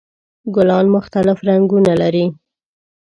ګلان مختلف رنګونه لري.